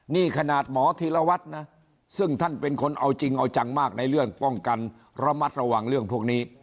นี่ขนาดหมอธีรวัตรนะซึ่งท่านเป็นคนเอาจริงเอาจังมากในเรื่องป้องกันระมัดระวังเรื่องพวกนี้